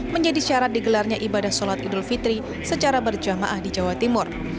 menjadi syarat digelarnya ibadah sholat idul fitri secara berjamaah di jawa timur